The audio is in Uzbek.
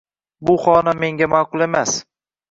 Bu xona menga ma’qul emas.